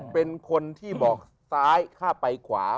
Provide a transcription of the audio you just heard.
เป็นคนที่บอกซ้ายข้าไปขวา